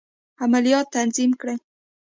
عملیات تنظیم کړي.